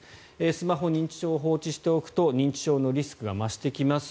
スマホ認知症を放置しておくと認知症のリスクが増してきます。